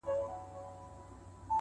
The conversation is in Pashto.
• تر پخوا سره خواږه زاړه یاران سول ,